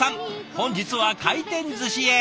本日は回転寿司へ。